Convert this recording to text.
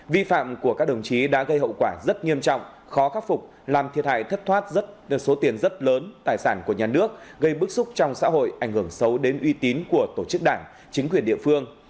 vi phạm của các đồng chí đã gây hậu quả rất nghiêm trọng khó khắc phục làm thiệt hại thất thoát số tiền rất lớn tài sản của nhà nước gây bức xúc trong xã hội ảnh hưởng xấu đến uy tín của tổ chức đảng chính quyền địa phương